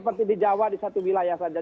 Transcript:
seperti di jawa di satu wilayah saja